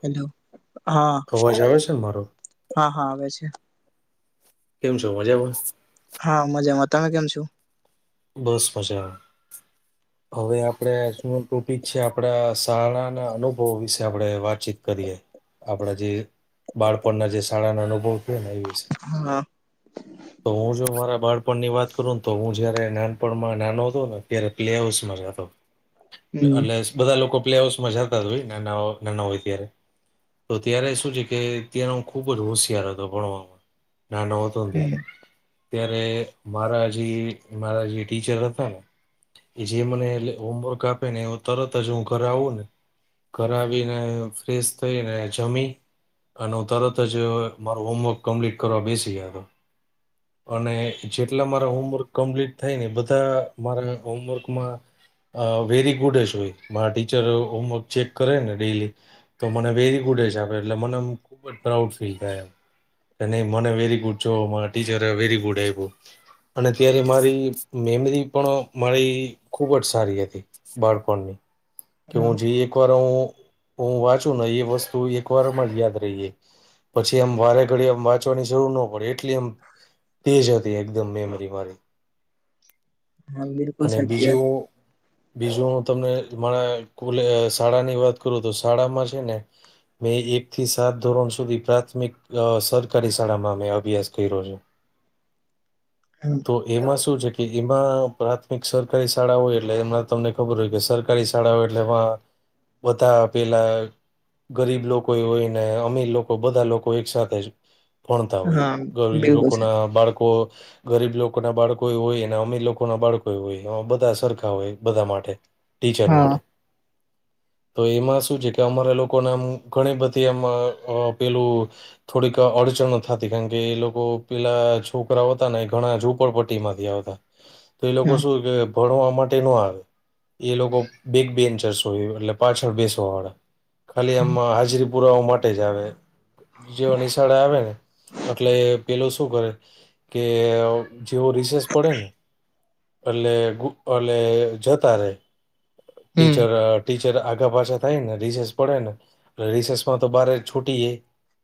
Hello હા અવાજ આવે છે ને મારો હા હા આવે છે કેમ છો મજા બસ હા મજામાં તમે કેમ છો બસ મજા આવે હવે આપડણે શું ટોપિક છે આપડા શાળાના અનુભવો વિશે આપડણે વાતચીત કરીયએ આપડા જે બાળપણના જે શાળા ના અનુભવ છે ને એ વિશે હા તો હું જો મારા બાળપણની વાત કરું ને તો હું જયારે નાનપણમાં નાનો હતો ને ત્યારે પ્લે હાઉસ માં જતો હમ એટલે બધા લોકો પ્લે હઉસ માં જતા જ હોય નાના નાના હોય ત્યારે તો ત્યારે શું છે કે ત્યાંનો હ ખુબ જ હોશિયાર હતો ભણવામાં નાનો હતો ને હમ ત્યારે ત્યારે મારા જે મારા જે ટીચર હતા ને એ જે મને એ હોમવર્ક આપે ને એ તરત જ હું ઘરે આવું ને ઘર આવી ને ફ્રેશ થઈ ને જમી અને હું તરત જ મારું હોમવર્ક કમ્પ્લીટ કરવા બેસી ગયો હતો અને જેટલા મારા હોમવર્ક કમ્પ્લીટ થાયને બધા મારા હોમવર્કમાં અ વેરી ગુડશ હોય મા ટીચર હોમવર્ક ચેક કરે ને ડેલી તો મને વેરી ગુડ હિસાબે એટલે મને એમ ખૂબ જ પ્રાઉડ ફીલ થાય એમ નહી મને વેરી ગુડ જો ટીચર વેરી ગુડ આવ્યું અને ત્યારે મારી મેમરી પણ મારી ખૂબ જ સારી હતી બાળપણની કે હું હા જે એક વાર હું હું વાંચું ને એ વસ્તુ એક વારમાં જ યાદ રહીએ પછી એમ વારે ઘડી એમ વાંચવાની જરૂર ન પડે એટલી એમ તેજ હતી એકદમ મેમરી મારી હા બિલકુલ અને સાચી વાત બીજું બીજું હું તમને મારા કો શાળા ની વાત કરું તો શાળામાં છે ને મેં એક થી સાત ધોરણ સુધી પ્રાથમિક સરકારી શાળામાં મે અભ્યાસ કર્યો છ એમાં શું છે કે એમાં પ્રાથમિક સરકારી શાળા હોય એટલે એમાં તમને ખબર હોય કે સર કરી શાળાઓ એટલે એમાં બધા પેલા ગરીબ લોકો હોય ને અમીર લોકો બધા લોકો એક સાથે જ ભણતા હોય હા ગરીબ બિલકુલ લોકો ના સાચી બાળકો ગરીબ લોકો ના બાળકો હોય ને અમીર લોકો ના બાળકો હોય એ બધા સરખા હોય બધા માટે ટીચર હા માટે તો એમાં શું છે કે અમારા લોકોને આમ ઘણી બધી એમ પેલું થોડીક અડચણો થતી કારણ કે એ લોકો પેલા છોકરાઓ હતા ને એ ઘણા ઝોપડપટ્ટી માંથી આવતા તો એ લોકો હા શું કે ભણવા માટે નો આવે એ લોકો બેક બેન્ચર્સ એટલે પાછળ બેસવા વાળા ખાલી આમમાં હાજરી પુરાવા માટે જ આવે જેવા નિશાળા આવે ને એટલે પેલો શું કરે કે જેવો રિસેચ પડે ને એટલે ગુ એટલે જતા રહેે હમ ટીચર ટીચર આગા પાછા થાય ને રિસેસ પડે ને રિસેસમાં તો બારે છૂટી જાય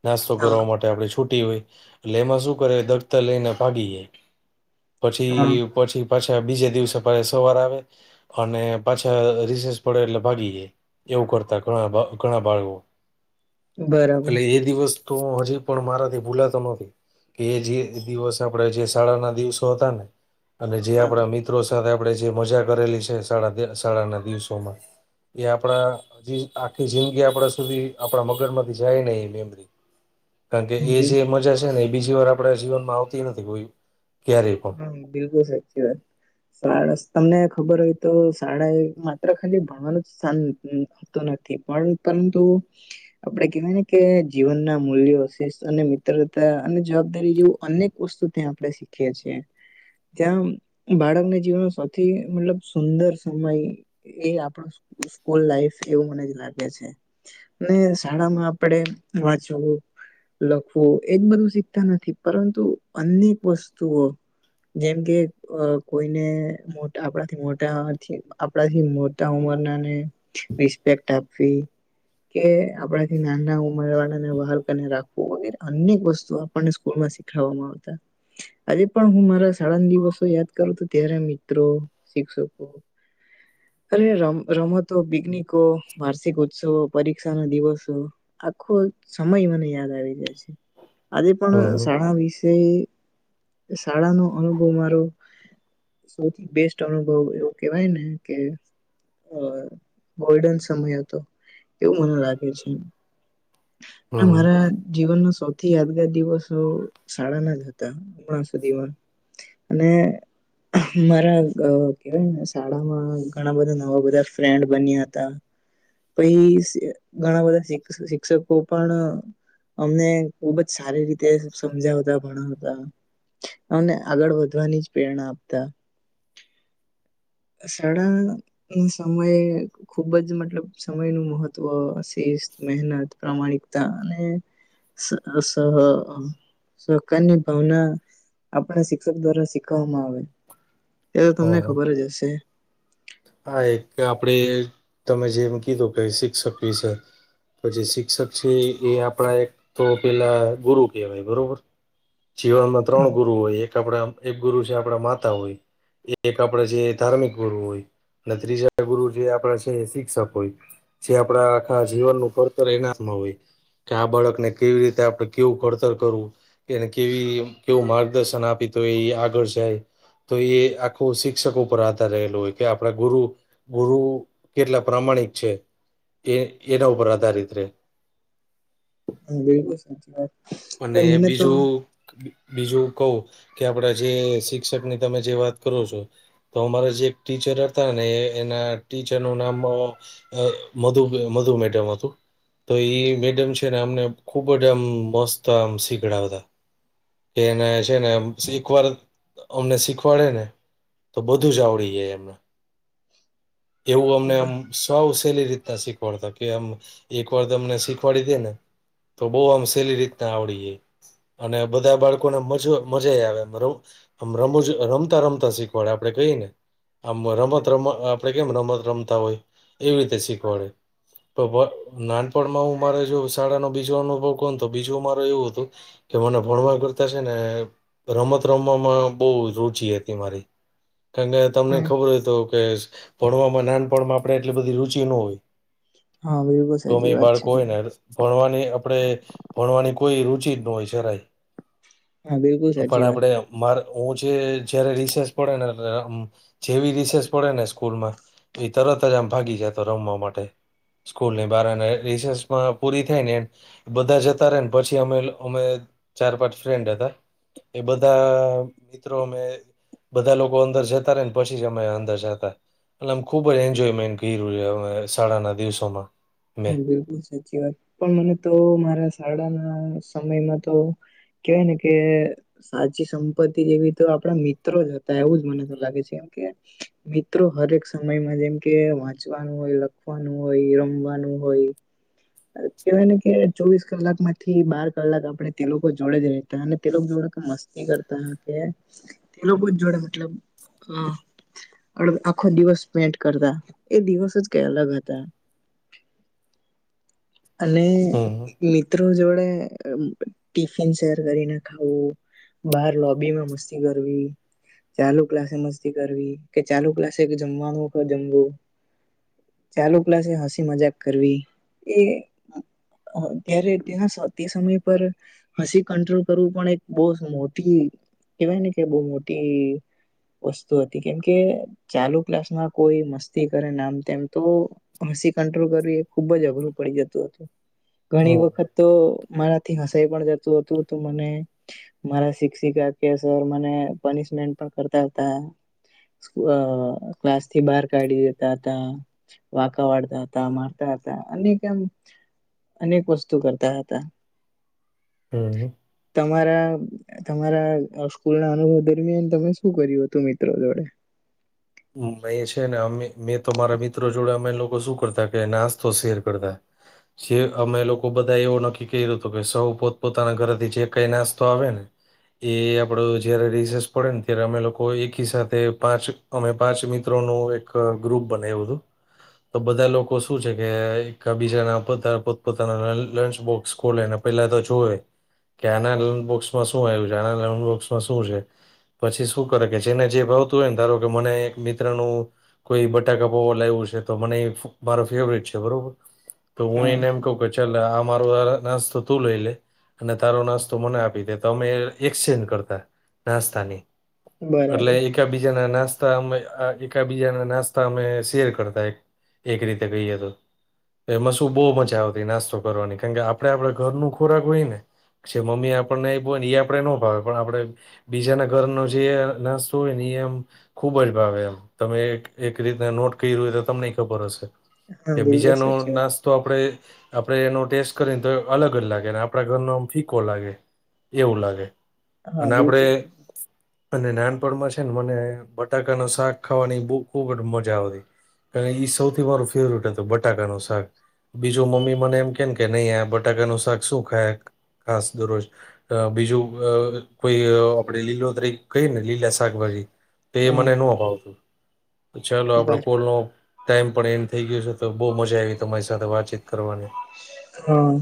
નાસ્તો હા કરવા માટે આપણે છૂટી હોય એટલે એમાં શું કરે દફતર લઈને ભાગી જાય પછી હા પછી પાછા બીજે દિવસે સવાર આવે અને પાછા રીસેસ પડે એટલે ભાગી જાય એવું કરતા ઘણા અ ઘણા બાળો બરાબર એટલે એ દિવસ તો હજી પણ મારાથી ભૂલાતો નથી કે એ જે દિવસ આપણેે જે શાળા ના દિવસો હતા ને અને જે હા આપડા મી મિત્રો સાથે આપડે જે મજા કરેલી છે શાળાના દિવસોમાં એ આપણાજી આખી જિંદગી આપડા સુધી આપણા મગજ માંથી જાય નહી એ મેમરી [inaudible] કારણ કે એ બિલ જે મજા છે ને એ બીજી વાર આપણા જીવનમાં આવતી નથી કો ક્યારેય પણ હા બિલકુલ સાચી વાત શારસ તમને ખબર હોય તો શાળા એ માત્ર ખાલી ભણવાનું જ સ્થાન નથી પણ પરંતુ આપડે કેવાયને કે જીવન ના મૂલ્યો શેસ અને મિત્રતા અને જવાબદારી જેવું અનેક વસ્તુ ત્યાં આપણે શીખીએ છીએ ત્યાં બાળકને જીવન સૌથી મતલબ સુંદર સમય એ આપણ સ્કૂલ લાઈફ એવું મને જ લાગે છે. ને શાળામાં આપડે વાંચવું લખવું એજ બધું શીખતા નથી પરંતુ અનેક વસ્તુઓ જેમ કે કોઈને મોટા આપણાથી મોટા આપણાથી મો ટા ઉમરનાને રિસ્પેક્ટ આપવી કે આપડાથી નાના ઉમર વાળા ને વહાલ કરીને રાખવું વગેરે અનેક વસ્તુ આપણને સ્કૂલ માં શીખ ખવામાં આવતા આજે પણ હું મારા શાળાના દિવસો યાદ કરું તો ત્યારે મિત્રો, શિક્ષકો, અરે રમ રમતો, પિકનિકો, વાર્ષિક ઉત્સવો, પરીક્ષા, ના દિવસો આખો સમય મને યાદ આવી જાય છે, આજે પણ હમ શાળા વિષે શાળા નો અનુભવ મારો સૌથી બેસ્ટ અનુભવ એવો કેવાય ને કે હ ગોલ્ડન સમય હતો એવું મને લાગે છે. ના હમ મારા જીવનનો સૌથી યાદગાર દિવસ શાળાના જ હતા હમણા શુ ધીમા અને મારા કેવાયને શાળામાં ઘણા બધા નવા બધા ફ્રેન્ડ બન્યા હતા પછી ઘણા બધા શિક્ષકો પણ અમને ખુબ જ સારી રીતે સમજાવતા ભણાવતા અમને આગળ વધવાની જ પ્રેરણા આપતા સાળા ની સમયે ખુબ જ મતલબ સમય નું મહત્વ શિસ્ત, મહેનત, પ્રામાણિકતા અને સ સહ સહકારની ભાવના આપણે શિક્ષક દ્વારા શીખવામાં આવે એતો તમને હ ખબર જ હશે હા એક આપડે તમે જેમ કીધું કે શિક્ષક વિશે તો જે શિક્ષક છે એ આપડા એક તો પેલા ગુરુ કેહેવાય બરોબર. જીવનમાં ત્રણ ગુરુ હોય એક આપણા એક ગુરુ છે આપડા માતા હોય. એક આપણેે જે ધાર્મિક ગુરુ હોય અને ત્રીજા ગુરુ જે આપણે છે શિક્ષક હોય. જે આપડા આખા જીવનનુંું ભડતર એનાતમાં હોય. કે આ બાળકને કેવી રીતે આપડ કેવું ખડતર કરવું. એને કેવી કેવું માર્ગદર્શન આપી તો એ આગળ જાય. તો એ આખું શિક્ષકો ઉપર આધાર રહેલું હોય કે. આપડા ગુરુ ગુરુ કેટલા પ્રામાણિક છે. એ એનોવ બરા દારિતે. હા બિલકુલ સાચી વાત. અને મને તો બીજું. બીજું કહું કે આપડા જે શિક્ષક ની તમે જે વાત કરો છો. તો અમારા જે એક ટીચર હતા ને એના ટીચર નું નામ. અ મધુ મધુ મેડમાં હતું. તો એ મેડમ છે ને અમને ખુબ જ આમ મસ્ત આમ શીખડાવતા. કે એને છે ને એકવાર અમને શીખવાડે ને. તો બધું જ આવડી જાય એમને એવું અમનેમ. સૌ સહેલી રીતના શીખવાડતા કે આમ એક વાર અમને શીખવાડી દે ને. તો બહ આમ સહેલી રીતના આવડીએે. અને બધા બાળકોને મજ મજા આવેરો. આમ રમું જ રમતા રમતા શીખવાડે આપણે કહી ને. આમ રમત રમત આપડે કેમ રમત રમતા હોય એવી રીતે શીખવાડે. નાનપણમાં હું મારે જો શાળાનો બીજો અનુભવ કોણતો બીજું મારો એવું હતું. કે મને ભણવા કરતાશે ને રમત રમવામાં બહુ રુચિ હતી મારી. કારણ કે તમને ખબર હા હોય તો કે ભણવામાં નાનપણમાં આપણે એટલી બધી રુચિ ન હોય. બિલકુલ ગમે સાચી વાત છે બાળકોયને. તમારી ભણવાની આપણેે ભણવાની કોઈ રુચિ જ ન હોય શરાય. હા બિલકુલ પણ સાચી વાત આપડે. મારે હું જે જયારે રિસેર્ચ પડે ને જેવી રિસેર્ચ પડે ને. સ્ૂલમાં એ તરત જ આમ ભાગી જાય તો રમવા માટે. ૂલની બાર રમાં પૂરી થાય ને બધા જ. પછી અમે અમે ચાર પાંચ ફ્રેન્ડ હતા. એ બધા મિત્રો મેમે. બધા લોકો અંદર જતા રે ને પછી જમા અંદર જતા. એલે આમ ખુબ જ એન્જોયમેન્ટ કર્યું છે અ શાળાના દિવસોમાં. મેં હા બિલકુલ સાચી વાત પણ મને તો મારા શાળાના સમયમાં તો. કેવાય ને કે. સાચી સંપત્તિ જેવી તો આપણા મિત્રો જ હતા એવું જ મને તો લાગે છે કેમ કે. મિત્રો હરેક સમયમાં જેમ કે વાંચવાનું હોય લખવાનું હોય રમવાનું. હોય. કેહેવાય ને કે ચોવીસ કલાક માંથી બાર કલાક આપડે તે લોકો જોડે જ ર. અને તે લોકો જોડ મસ્તી કરતા કે. એ લોકો જ જોડે મતલબ હ. આખો દિવસ પેન્ટ કરતા એ દિવસ જ કઈ અલગ હતા. અને હમ હમ મિત્રો જોડે ટિફિન શેર કરીને ખાવું. બહાર લોબી માં મસ્તી કરવી. ચાલુ ક્લાસે મસ્તી કરવી કે ચાલુ ક્લાસે કે જમવાનું જમવું. ચાલુ ક્લાસે હસી મજાક કરવી એ. અત્યારે ત્યાં તે સમય પર હસી કંટ્રોલ કરવું પણ એક બહ મોટી કહેવાય ને કે બહ મોટી વસ્તુ હતી કેમકે ચાલુ ક્લાસમાં કોઈ મસ્તી કરે ને આમ તેમ તો હસી કંટ્રોલ કરવી એ ખુબ જ અઘરું પડી જતું હતું ઘણી વખત તો મારાથી હસાઈ પણ જતું હતું તો મને મારા શિક્ષિકા કે સર મને પનિશમેન્ટ પણ કરતા હતા અ ક્લાસ થી બહાર કાઢી દેતા હતા વાકા વાડતા હતા મારતા હતા અને કેમ અનેક વસ્તુ કરતા હતા હમ તમારા તમારા સ્કૂલ ના અનુભવ દરમિયાન તમે શું કર્યું હતું મિત્રો જોડે મે છે ને અમે મેં તો મારા મિત્રો જોડે અમે લોકો શું કરતા કે નાસ્તો શેર કરતા જે અમે લોકો બધા એવો નક્કી કર્યું હત કે સૌ પોત પોતાના ઘરેથી જે કઈ નાસ્તો આવે ને એ આપડો જયારે રિસસ પડે ને ત્યારે અમે લોકો એકી સાથે પાંચ અમે પાંચ મિત્રો નું એક ગ્રુપ બનાવ્યું હતું તો બધા લોકો શું છે કે એક બીજાના પોતા પોતપોતાના લંચ બોક્સ ખોલેને પેલા તો જોુવે કે આના લોન બોક્સમાં શું આવ્યું છે આના લોન બોક્સમાં શું છે પછી શું કરે કે જેને જે ભાવતું હોય ને ધારો કે મને એક મિત્રનું કોઈ બટાકા પૈવા લાયવું છે તો મને મારો ફેવરેટ છે બરોબર તો હું હા એને એમ કહ કે ચાલ આ મારો નાસ્તો તું લઈ લે અને તારો નાસ્તો મને આપી દે તો અમે એક્સચેન્જ કરતા નાસ્તાની એટલે બરાબર એકાબીજા ના નાસ્તા તા અમે એકા બીજાના નાસ્તા અમે શેર કરતા એક રીતે કઈએ તો એમાં શું બહુ મજા આવતી નાસ્તો કરવાની કારણ કે આપડે આપણા ઘર નું ખોરાક હોય ને છે મમ્મી આપણનેય ને એ આપડે નો ભાવે પણ આપડે બીજાના ઘરનો જે નાસ્તો હોય ને એમ ખુબ જ ભાવે એમ તમે એક એક રીતને નોટ કર્યું હોય તો તમને ખબર હશે. હા એ બિલકુલ બીજા નો સાચી વાત. નાસ તો આપણેે આપડે એનો ટેસ્ટ કરીને તો અલગ જ લાગે આપણા ઘરનો આમ ફીકો લાગે. એવું લાગે અને આપડે અને નાનપણમાં છે ને મને બટાકા નું શાક ખાવાની બહું ખુબ જ મજા આવતી. અને એ સૌથી મારું ફેવરટ હતું બટાકા નું શાક. બીજું મમ્મી મને એમ કે કે નહીં આ બટાકાનું શાક શું ખાય ખાસ દરરોજ. અ બીજું કોઈ આપડે લીલો તરી કઈએ ને લીલા શાકભાજી. એ મને ન ભાવતું, ચાલો આપડ કોલનો. ટાઈમ પણ એનડ થઈ ગયો છે તો બહુ મજા આવી તમારી સાથે વાતચીત કરવાની. હમ્મ.